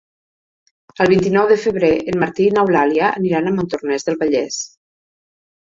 El vint-i-nou de febrer en Martí i n'Eulàlia aniran a Montornès del Vallès.